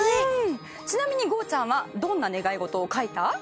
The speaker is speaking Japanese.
ちなみにゴーちゃん。はどんな願い事を書いた？